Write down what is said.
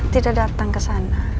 tidak datang ke sana